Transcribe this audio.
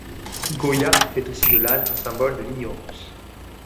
Goya fait aussi de l'âne un symbole de l'ignorance.